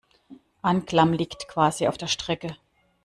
Anklam liegt quasi auf der Strecke.